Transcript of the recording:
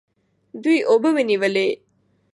دوی اوبه ونیولې.